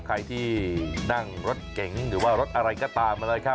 ถ้าใครที่นั่งรถเก๋งหรือว่ารถอะไรก็ตามเลย